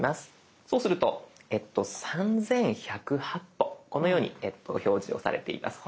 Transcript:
そうすると３，１０８歩このように表示をされています。